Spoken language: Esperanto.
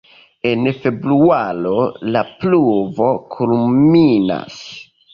En februaro la pluvo kulminas.